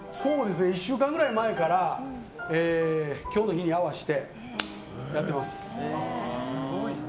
１週間くらい前から今日の日に合わせてやってます。